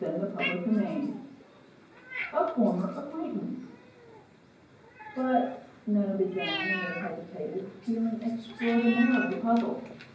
CHAPTER II A Former Acquaintance "But," Nona began, and then hesitated, feeling extraordinarily puzzled.